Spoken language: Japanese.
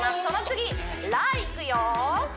その次「ラ」いくよ